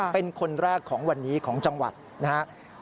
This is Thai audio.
เป็นคนแรกของวันนี้ของจังหวัดนะครับ